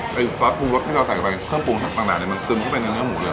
เน้นสอสปรูงรสที่เราใส่กับเครื่องปรุงชัดปางด้านก็เกินกับในน้ำหมูเนื้อ